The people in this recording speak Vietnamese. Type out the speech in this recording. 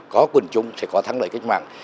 có quân chủng sẽ có thắng lợi cách mạng